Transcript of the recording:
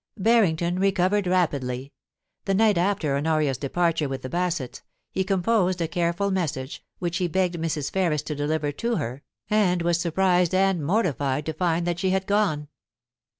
Harrington recovered rapidly. The night after Honoria's departure with the Bassetts, he composed a careful message, which he begged Mrs. Ferris to deliver to her, and was sur prised and mortified to find that she had gone.